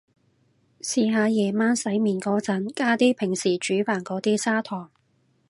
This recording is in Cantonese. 試下夜晚洗面個陣加啲平時煮飯個啲砂糖